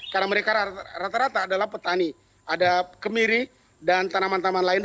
karena mereka rata rata adalah petani